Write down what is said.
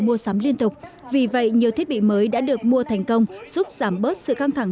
mua sắm liên tục vì vậy nhiều thiết bị mới đã được mua thành công giúp giảm bớt sự căng thẳng